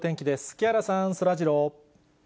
木原さん、そらジロー。